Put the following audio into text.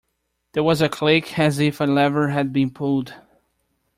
There was a click as if a lever had been pulled.